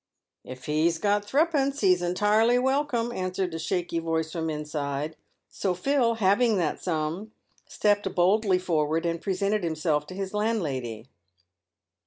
" If he's got threepence he's intirely welcome," answered a shaky voice from inside. So Phil, having that sum, stepped boldly forward and presented himself to his landlady.